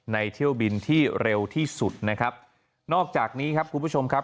เที่ยวบินที่เร็วที่สุดนะครับนอกจากนี้ครับคุณผู้ชมครับ